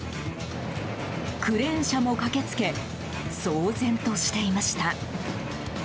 クレーン車も駆けつけ騒然としていました。